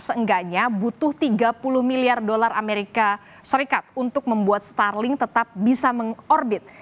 seenggaknya butuh tiga puluh miliar dolar amerika serikat untuk membuat starling tetap bisa mengorbit